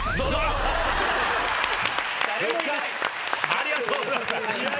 ありがとうございます。